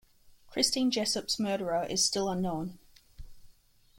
Christine Jessop's murderer is still unknown.